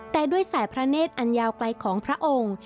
แต่ด้วยสายพระเนธอันยาวไกลของพระองค์